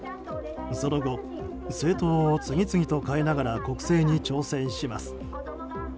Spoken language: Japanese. その後、政党を次々と変えながら国政に挑戦します。